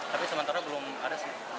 tapi sementara belum ada sih